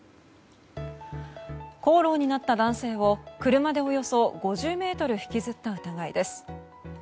口論になった男性を車でおよそ５０ｍ引きずった疑いです。